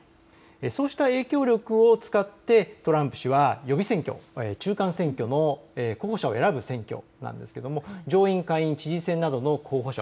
そうした影響力を使ってトランプ氏は予備選挙、中間選挙の候補者を選ぶ選挙で上院、下院、知事選などの候補者